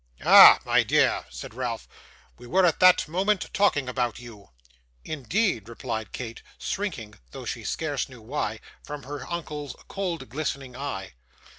'Ah! my dear!' said Ralph; 'we were at that moment talking about you.' 'Indeed!' replied Kate, shrinking, though she scarce knew why, from her uncle's cold glistening eye.